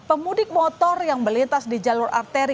pemudik motor yang melintas di jalur arteri